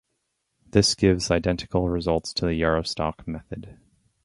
This gives identical results to the yarrow-stalk method.